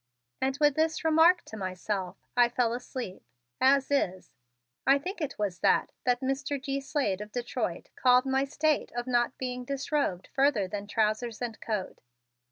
And with this remark to myself I fell asleep, "as is," I think it was that Mr. G. Slade of Detroit called my state of not being disrobed further than trousers and coat.